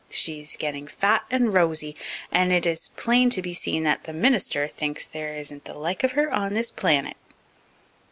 She's getting fat and rosy, and it is plain to be seen that the minister thinks there isn't the like of her on this planet."